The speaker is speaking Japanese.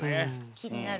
気になる。